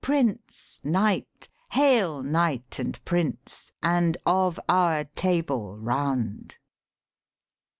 Prince, Knight, Hail, Knight and Prince, and of our Table Round!'